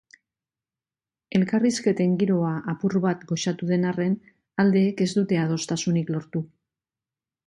Elkarrizketen giroa apur bat goxatu den arren, aldeek ez dute adostasunik lortu.